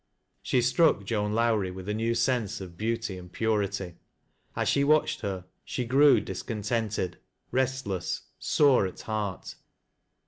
She struck Joan Lowrie with a new sense , f beauty and purity. As she watched her she grew dis contented — restless — sore at heart.